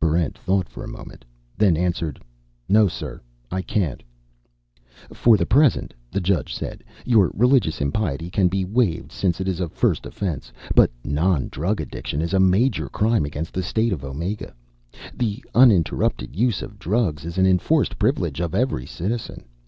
Barrent thought for a moment, then answered, "No, sir, I can't." "For the present," the judge said, "your religious impiety can be waived, since it is a first offense. But non drug addiction is a major crime against the state of Omega. The uninterrupted use of drugs is an enforced privilege of every citizen.